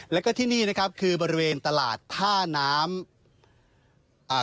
แล้วก็ที่นี่นะครับคือบริเวณตลาดท่าน้ำอ่า